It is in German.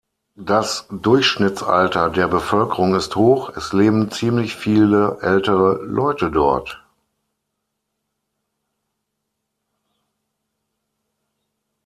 Das Durchschnittsalter der Bevölkerung ist hoch, es leben ziemlich viele ältere Leute dort.